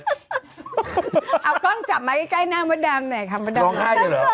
เอาก้อนจับไว้ใกล้หน้ามดดำนั้นคำว่า